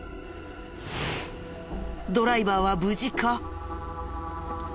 ドライバーは無事か？